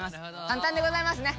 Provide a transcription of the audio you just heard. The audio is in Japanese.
簡単でございますね。